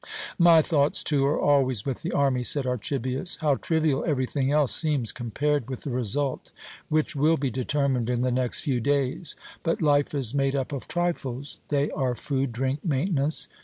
"My thoughts, too, are always with the army," said Archibius. "How trivial everything else seems compared with the result which will be determined in the next few days! But life is made up of trifles. They are food, drink, maintenance.